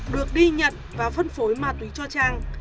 được đi nhận và phân phối ma túy cho trang